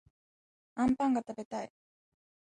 あんぱんがたべたい